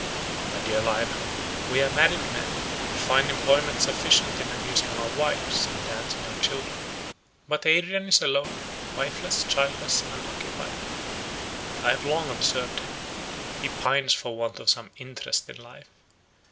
My dear Lionel, we are married men, and find employment sufficient in amusing our wives, and dancing our children. But Adrian is alone, wifeless, childless, unoccupied. I have long observed him. He pines for want of some interest in life.